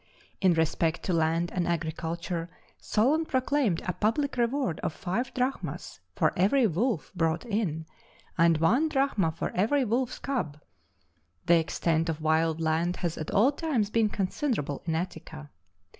In respect to land and agriculture Solon proclaimed a public reward of five drachmas for every wolf brought in, and one drachma for every wolf's cub; the extent of wild land has at all times been considerable in Attica.